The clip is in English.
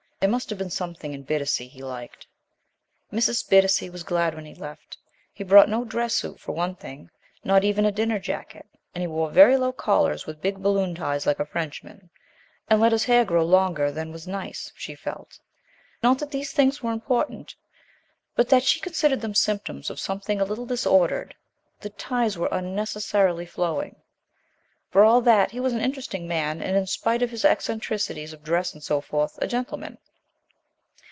There must have been something in Bittacy he liked. Mrs. Bittacy was glad when he left. He brought no dress suit for one thing, not even a dinner jacket, and he wore very low collars with big balloon ties like a Frenchman, and let his hair grow longer than was nice, she felt. Not that these things were important, but that she considered them symptoms of something a little disordered. The ties were unnecessarily flowing. For all that he was an interesting man, and, in spite of his eccentricities of dress and so forth, a gentleman.